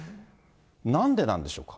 なんでなんでしょうか。